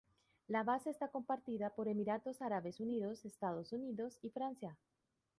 La base está compartida por Emiratos Árabes Unidos, Estados Unidos y Francia.